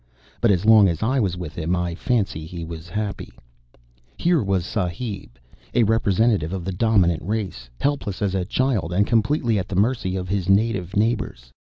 But as long as I was with him I fancy he was happy. Here was a Sahib, a representative of the dominant race, helpless as a child and completely at the mercy of his native neighbors.